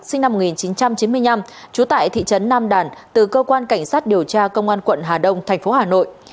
sinh năm một nghìn chín trăm chín mươi năm trú tại thị trấn nam đàn từ cơ quan cảnh sát điều tra công an quận hà đông thành phố hà nội